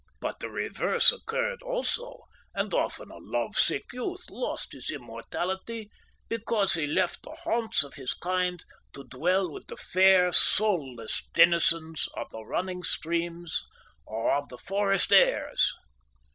But the reverse occurred also, and often a love sick youth lost his immortality because he left the haunts of his kind to dwell with the fair, soulless denizens of the running streams or of the forest airs."